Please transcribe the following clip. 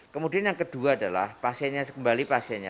kemudian yang kedua adalah kembali vaksinnya